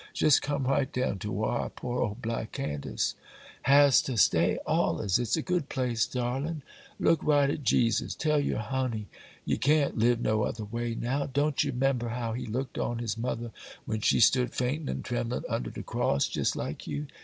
Jes' come right down to whar poor ole black Candace has to stay allers,—it's a good place, darlin'! Look right at Jesus. Tell ye, honey, ye can't live no other way now. Don't ye 'member how He looked on His mother, when she stood faintin' an' tremblin' under de cross, jes' like you?